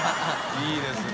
いいですね。